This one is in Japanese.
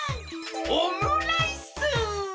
オムライス！